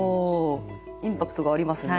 インパクトがありますね。